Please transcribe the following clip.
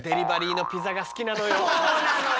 そうなのよ。